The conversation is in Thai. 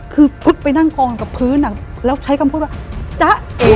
คือซุดไปนั่งกองกับพื้นแล้วใช้คำพูดว่าจ๊ะ